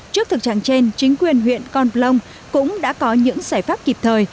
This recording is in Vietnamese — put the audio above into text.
trước thực trạng trên chính quyền huyện con plong cũng đã có những giải pháp kịp thời